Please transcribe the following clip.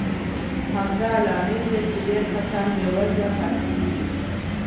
همدا لامل دی چې ډېر کسان بېوزله پاتې کېږي.